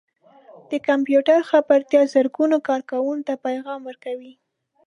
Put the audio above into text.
• د کمپیوټر خبرتیا ږغونه کاروونکو ته پیغام ورکوي.